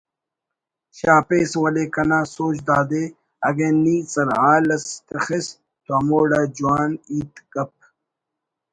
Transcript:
شاپیس ولے کنا سوج دادے اگہ نی سرحال اس تخس تو ہموڑا جوان ہیت گپ